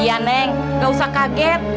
ya neng gak usah kaget